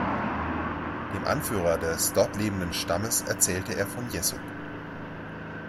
Dem Anführer des dort lebenden Stammes erzählt er von Jessup.